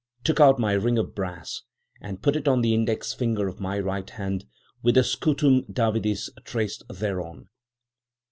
Took out my ring of brass, and put it on the index finger of my right hand, with the scutum Davidis traced thereon.